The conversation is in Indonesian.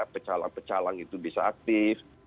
pecalang pecalang itu bisa aktif